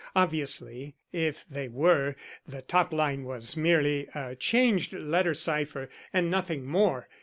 Obviously, if they were, the top line was merely a changed letter cipher, and nothing more.